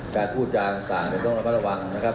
การพูดจากต่างจะต้องระวังนะครับ